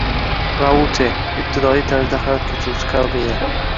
Raute - ibtidoiy tarzda hayot kechiruvchi qabila